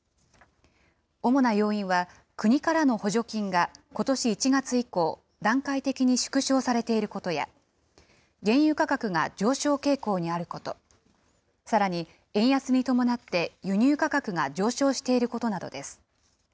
主な要因は、国からの補助金がことし１月以降、段階的に縮小されていることや、原油価格が上昇傾向にあること、さらに、円安に伴って輸入価格が上昇していることなどです。